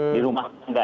di rumah tangga